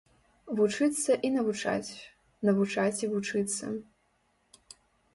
Вучыцца і навучаць, навучаць і вучыцца.